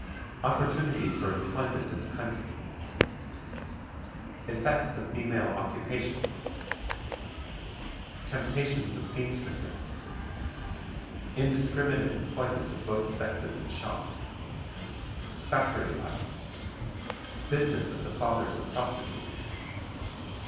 Opportunity for Employment in the Country. Effects of Female Occupations. Temptations of Seamstresses. Indiscriminate Employment of both Sexes in Shops. Factory Life. Business of the Fathers of Prostitutes.